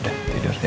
udah tidur ya